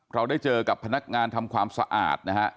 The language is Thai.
เราได้เจอกับพนักงานทำความสะอาดนะฮะ